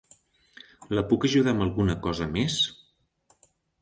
La puc ajudar amb alguna cosa més?